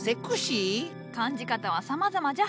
感じ方はさまざまじゃ。